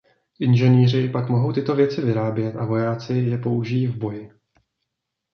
Inženýři pak mohou tyto věci vyrábět a vojáci je použijí v boji.